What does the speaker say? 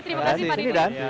terima kasih pak ridwan